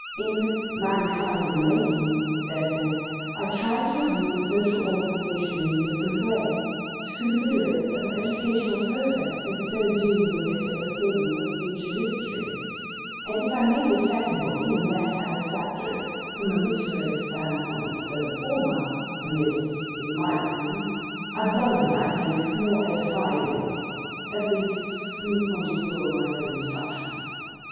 In Mankind in the Making, therefore, I tried to review the social organisation in a different way, to consider it as an educational process instead of dealing with it as a thing with a future history, and if I made this second book even less satisfactory from a literary standpoint than the former (and this is my opinion), I blundered, I think, more edifyingly at least from the point of view of my own instruction.